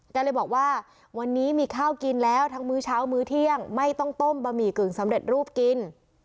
ก็เลยบอกว่าวันนี้มีข้าวกินแล้วทั้งมื้อเช้ามื้อเที่ยงไม่ต้องต้มบะหมี่กึ่งสำเร็จรูปกิน